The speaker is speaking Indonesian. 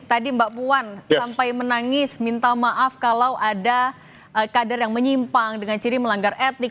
tadi mbak puan sampai menangis minta maaf kalau ada kader yang menyimpang dengan ciri melanggar etik